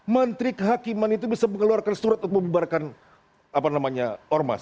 menteri kehakiman itu bisa mengeluarkan surat untuk membubarkan ormas